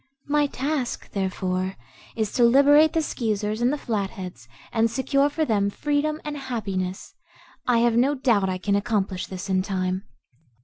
My task, therefore, is to liberate the Skeezers and the Flatheads and secure for them freedom and happiness. I have no doubt I can accomplish this in time."